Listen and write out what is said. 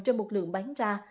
trên một lượng bán ra